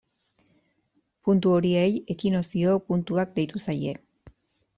Puntu horiei ekinokzio puntuak deitu zaie.